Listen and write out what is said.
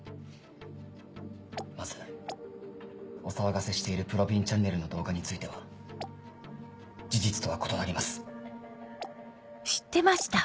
まずお騒がせしている『ぷろびんチャンネル』の動画については事実とは異なります。